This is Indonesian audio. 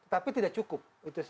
tapi tidak cukup